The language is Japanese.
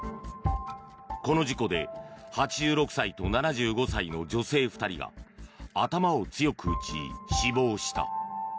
この事故で８６歳と７５歳の女性２人が頭を強く打ち、死亡した。